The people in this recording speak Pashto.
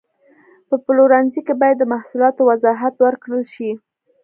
په پلورنځي کې باید د محصولاتو وضاحت ورکړل شي.